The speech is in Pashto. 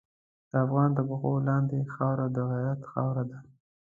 د افغان د پښو لاندې خاوره د غیرت خاوره ده.